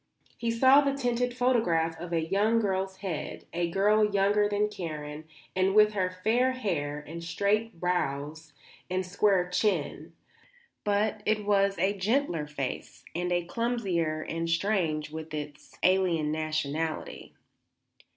He saw the tinted photograph of a young girl's head, a girl younger than Karen and with her fair hair and straight brows and square chin; but it was a gentler face and a clumsier, and strange with its alien nationality.